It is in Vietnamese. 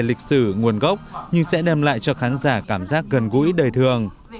lịch sử nguồn gốc nhưng sẽ đem lại cho khán giả cảm giác gần gũi đời thường